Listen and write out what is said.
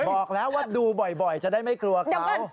บอกแล้วว่าดูบ่อยจะได้ไม่กลัวเขา